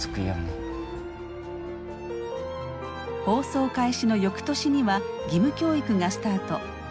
放送開始の翌年には義務教育がスタート。